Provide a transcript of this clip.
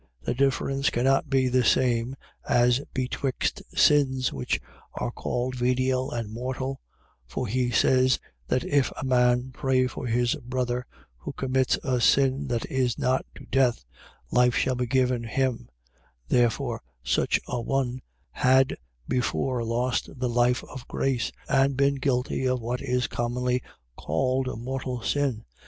The difference can not be the same as betwixt sins that are called venial and mortal: for he says, that if a man pray for his brother, who commits a sin that is not to death, life shall be given him: therefore such a one had before lost the life of grace, and been guilty of what is commonly called a mortal sin.